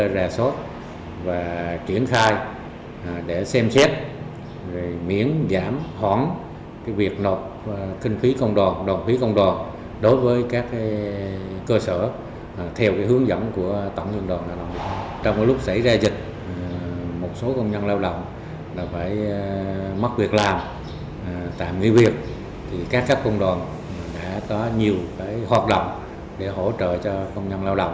mất việc làm tạm nghỉ việc các công đoàn đã có nhiều hoạt động để hỗ trợ cho công nhân lao động